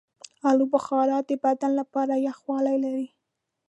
آلوبخارا د بدن لپاره یخوالی لري.